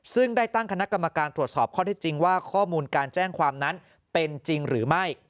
ซึ่งได้ตั้งคณะกรรมการตรวจสอบข้อที่จริงว่าข้อมูลการแจ้งความนั้นเป็นจริงหรือไม่